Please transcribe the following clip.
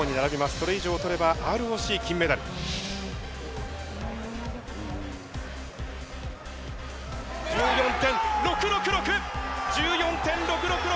これ以上取れば、ＲＯＣ金メダル。１４．６６６！